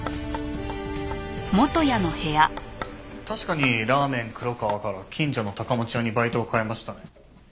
確かにラーメン黒川から近所の高持屋にバイトを変えましたね。